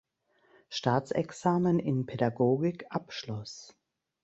Staatsexamen in Pädagogik abschloss.